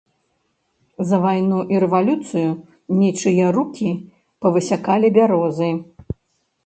За вайну і рэвалюцыю нечыя рукі павысякалі бярозы.